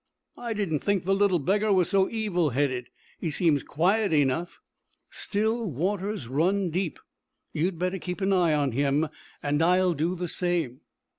"I didn't think the little beggar was so evil headed. He seems quiet enough." "Still waters run deep. You'd better keep an eye on him, and I'll do the same."